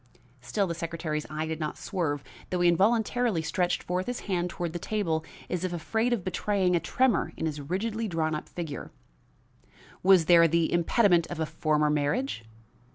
Still the secretary's eye did not swerve, though he involuntarily stretched forth his hand toward the table as if afraid of betraying a tremor in his rigidly drawn up figure. "Was there the impediment of a former marriage?"